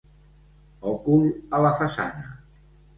Òcul a la façana.